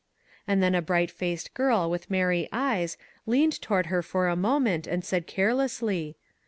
And then a bright faced girl with merry eyes leaned toward her for a moment and said care lessly.